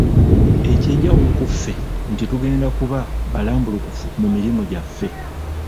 Ekyenjawulo ku ffe nti tugenda kuba balambulukufu mu mirimu gyaffe.